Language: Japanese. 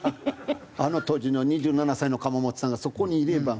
あの当時の２７歳の釜本さんがそこにいれば。